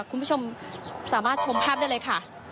คุณผู้ชมสามารถชมภาพได้เลยค่ะ